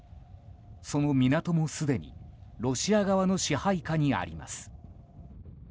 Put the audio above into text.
その港もすでにロシア側の支配下にあります。